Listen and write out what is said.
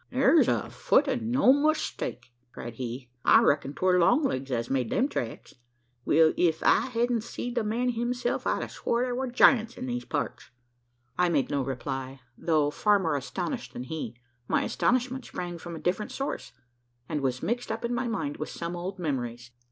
"Thar's a fut, an' no mistake!" cried he. "I reck'n 'twar Long legs as made them tracks. Well! ef I hedn't seed the man hisself, I'd a swore thar war giants in these parts!" I made no reply, though far more astonished than he. My astonishment sprang from a different source; and was mixed up in my mind with some old memories.